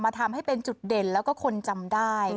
ทำให้เป็นจุดเด่นแล้วก็คนจำได้